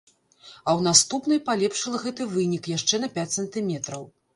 А ў наступнай палепшыла гэты вынік яшчэ на пяць сантыметраў.